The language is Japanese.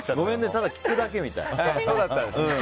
ただ聞くだけみたい。